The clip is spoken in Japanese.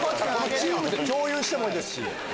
チームで共有してもいいですし。